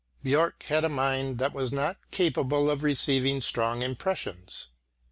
Björck had a mind which was not capable of receiving strong impressions.